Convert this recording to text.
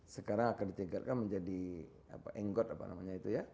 sekarang akan ditingkatkan menjadi enggot apa namanya itu ya